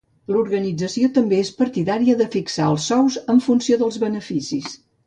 L'organització també és partidària de fixar els sous en funció dels beneficis.